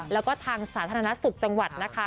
แล้วก็ทางสาธารณสุขจังหวัดนะคะ